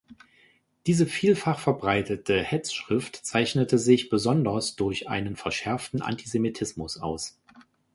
Diese vielfach verbreitete Hetzschrift zeichnete sich besonders durch einen verschärften Antisemitismus aus.